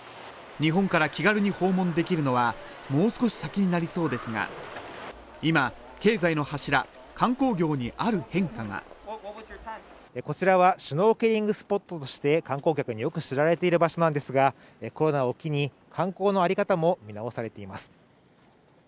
日本から気軽に訪問できるのはもう少し先になりそうですが今経済の柱観光業にある変化がこちらはシュノーケリングスポットとして観光客によく知られている場所なんですがコロナを機に観光の在り方も見直されています